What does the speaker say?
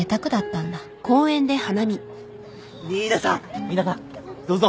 新名さん新名さんどうぞ。